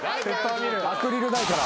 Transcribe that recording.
アクリルないから。